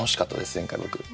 前回僕。